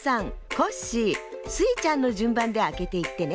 コッシースイちゃんのじゅんばんであけていってね。